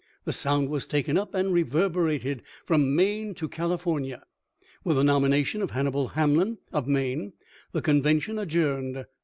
The sound was taken up and reverberated from Maine to California. With the nomination of Hannibal Hamlin, of Maine, the convention adjourned.